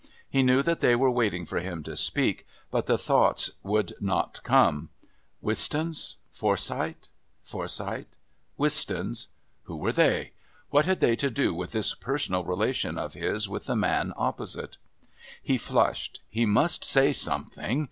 He knew that they were waiting for him to speak, but the thoughts would not come. Wistons? Forsyth?...Forsyth? Wistons? Who were they? What had they to do with this personal relation of his with the man opposite? He flushed. He must say something.